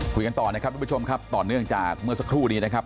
คุยกันต่อนะครับทุกผู้ชมครับต่อเนื่องจากเมื่อสักครู่นี้นะครับ